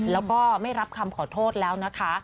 แล้วก็ไม่รับคำขอโทษแล้วนะคะ